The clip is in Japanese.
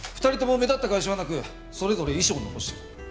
２人とも目立った外傷はなくそれぞれ遺書を残している。